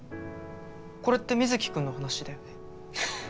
これって水城君の話だよね？